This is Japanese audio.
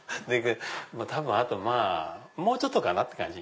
多分あとまぁもうちょっとかなって感じ。